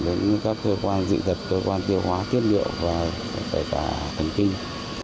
đến các cơ quan dị tật cơ quan tiêu hóa tiết liệu và tất cả thần kinh